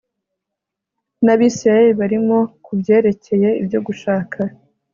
n'abisirayeli barimo, ku byerekeye ibyo gushaka